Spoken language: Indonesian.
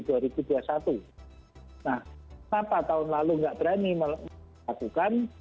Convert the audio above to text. nah kenapa tahun lalu tidak berani melakukan